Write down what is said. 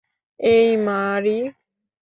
এই, মারি!